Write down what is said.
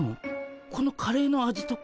このカレーの味とか？